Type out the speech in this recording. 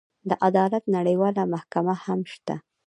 د عدالت نړیواله محکمه هم شته.